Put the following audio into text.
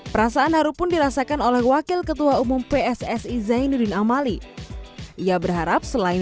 perasaan haru pun dirasakan oleh wakil ketua umum pssi zainuddin amali ia berharap selain